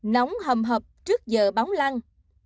nóng hầm hập trước giờ bóng lăng